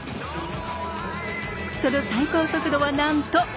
その最高速度は、なんと。